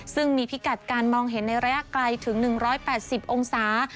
ซึ่งมีพิกัดการมองเห็นในระยะไกลถึง๑๘๐องศา